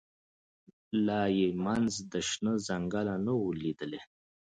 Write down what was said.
لا یې منځ د شنه ځنګله نه وو لیدلی